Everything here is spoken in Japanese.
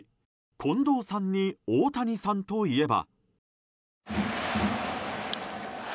近藤さんに大谷さんといえば。